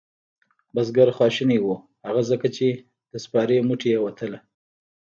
بزگر خواشینی و هغه ځکه چې د سپارې موټۍ یې وتله.